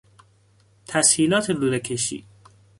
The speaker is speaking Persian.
تسهیلات لوله کشی